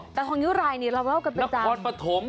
ตาทองนิ้วรายนี่เราเล่ากันเป็นจำนักพอดปฐม